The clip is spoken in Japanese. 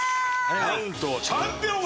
なんとチャンピオンが！